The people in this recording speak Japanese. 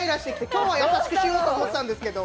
今日は優しくしようと思ってたんですけど。